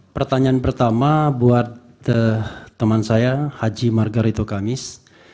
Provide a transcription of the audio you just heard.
pertanyaan pertama buat teman saya haji margaretto kamis